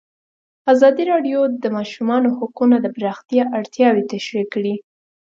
ازادي راډیو د د ماشومانو حقونه د پراختیا اړتیاوې تشریح کړي.